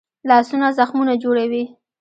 لاسونه زخمونه جوړوي